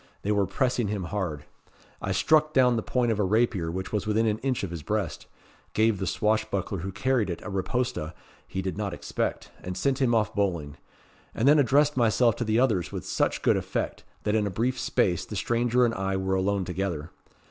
They were pressing him hard. I struck down the point of a rapier which was within an inch of his breast gave the swashbuckler who carried it a riposta he did not expect, and sent him off bowling and then addressed myself to the others with such good effect, that in a brief space the stranger and I were alone together.